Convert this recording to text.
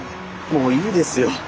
もういいですよ。